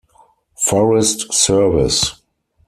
Forest Service".